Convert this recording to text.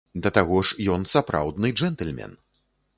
Да таго ж, ён сапраўдны джэнтльмен!